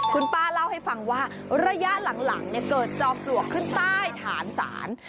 คุณป้าเล่าให้ฟังว่าระยะหลังเกิดจอมปลวกขึ้นใต้ฐานศาล